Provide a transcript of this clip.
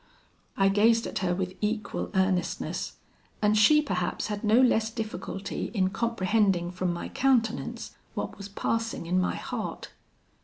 I gazed at her with equal earnestness, and she perhaps had no less difficulty in comprehending from my countenance what was passing in my heart.